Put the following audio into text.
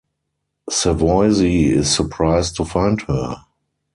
Savoisy is surprised to find her.